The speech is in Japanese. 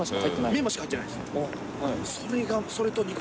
メンマしか入ってないんですよ。